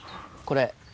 これ。